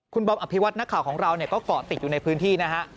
คุณบอมอภิวัตนักข่าวของเราก็เกาะติดอยู่ในพื้นที่นะฮะ